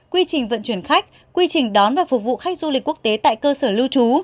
quy trình vận chuyển khách quy trình đón và phục vụ khách du lịch quốc tế tại cơ sở lưu trú